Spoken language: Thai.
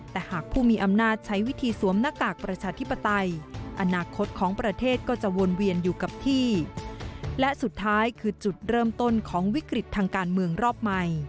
แต่หากผู้มีอำนาจใช้วิธีสวมหน้ากากประชาธิปไตยอนาคตของประเทศก็จะวนเวียนอยู่กับที่และสุดท้ายคือจุดเริ่มต้นของวิกฤตทางการเมืองรอบใหม่